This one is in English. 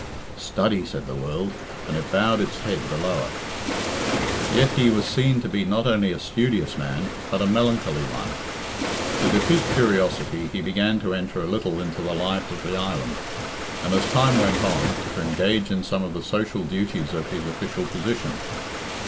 "Study," said the world, and it bowed its head the lower. Yet he was seen to be not only a studious man, but a melancholy one. To defeat curiosity, he began to enter a little into the life of the island, and, as time went on, to engage in some of the social duties of his official position.